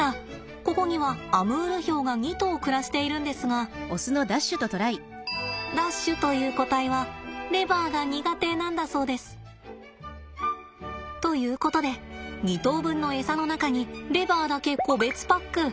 ここにはアムールヒョウが２頭暮らしているんですがダッシュという個体はレバーが苦手なんだそうです。ということで２頭分のエサの中にレバーだけ個別パック。